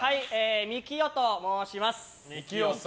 ミキオと申します。